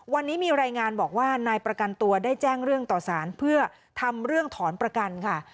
วันนี้มีรายงานบอกว่านายประกันตัวได้แจ้งเรื่องต่อสารเพื่อทำเรื่องถอนประกันค่ะ